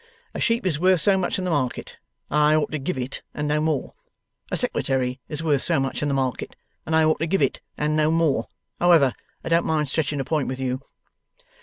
A sheep is worth so much in the market, and I ought to give it and no more. A secretary is worth so much in the market, and I ought to give it and no more. However, I don't mind stretching a point with you.